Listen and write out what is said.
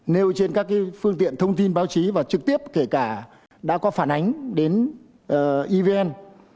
nêu trên các phương tiện thông tin báo chí và trực tiếp kể cả đã có phản ánh đến evn